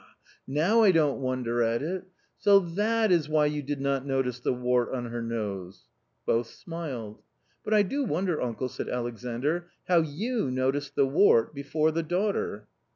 now I don't wonder at it. So that is why you did not notice the wart on her nose." Both smiled. "But I do wonder, uncle," said Alexandr; "how you noticed the wart before the daughter